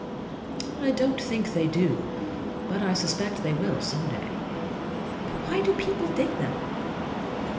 I don't think they do. But I suspect they will some day. But why do people dig them?